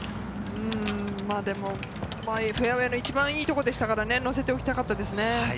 でもフェアウエーの一番いいところでしたから乗せておきたかったですね。